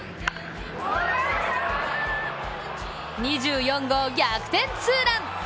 ２４号逆転ツーラン！